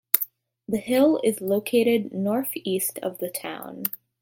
The hill is located north east of the town.